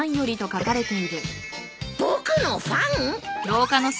僕のファン！？